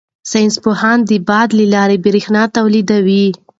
ساینس پوهان د باد له لارې بریښنا تولیدوي.